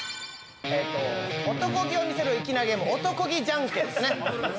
男気を見せる粋なゲーム「男気じゃんけん」ですね。